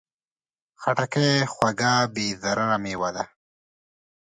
خټکی خوږه، بې ضرره مېوه ده.